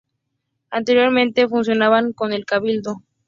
Anteriormente, funcionaban en el Cabildo.